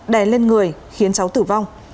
đè lên người khiến cháu tử vong